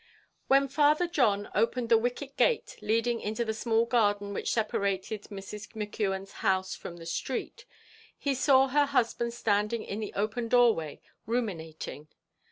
When Father John opened the wicket gate leading into the small garden which separated Mrs. McKeon's house from the street, he saw her husband standing in the open door way, ruminating.